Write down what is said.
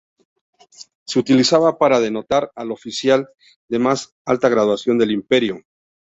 Se utilizaba para denotar al oficial de más alta graduación del imperio.